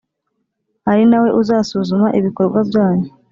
ari na we uzasuzuma ibikorwa byanyu,